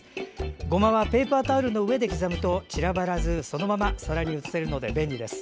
ごまはペーパータオルの上で刻むと散らばらず、そのままお皿に移せるので便利です。